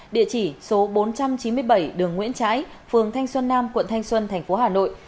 địa chỉ số bốn trăm chín mươi bảy đường nguyễn trãi phường thanh xuân nam quận thanh xuân thành phố hà nội